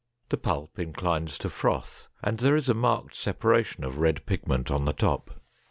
The pulp inclines to froth and there is a marked separation of red pigment on the top.